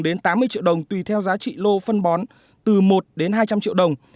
đến tám mươi triệu đồng tùy theo giá trị lô phân bón từ một đến hai trăm linh triệu đồng